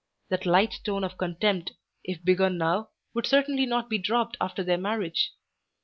That light tone of contempt if begun now would certainly not be dropped after their marriage.